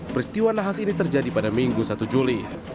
peristiwa nahas ini terjadi pada minggu satu juli